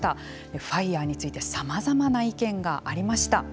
ＦＩＲＥについてさまざまな意見がありました。